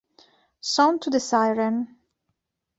Song to the Siren